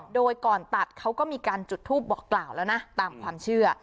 โดยก่อนตัดเขาก็มีการจุดทูปบอกกล่าวแล้วนะตามความเชื่อ